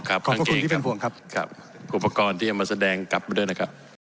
กางเกงเป็นห่วงครับครับอุปกรณ์ที่จะมาแสดงกลับมาด้วยนะครับ